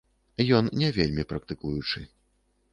Ён не вельмі практыкуючы.